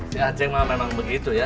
di aceh memang begitu ya